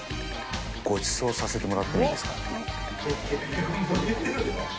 ごちそうさせてもらってもいいですか？